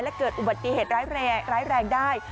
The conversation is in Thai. และเกิดอุบัติเหตุร้ายแรงได้